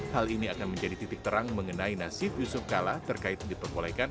hal ini akan menjadi titik terang mengenai nasib yusuf kala terkait diperbolehkan